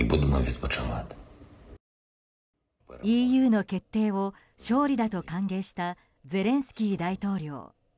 ＥＵの決定を勝利だと歓迎したゼレンスキー大統領。